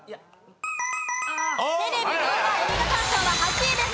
テレビ動画映画鑑賞は８位です。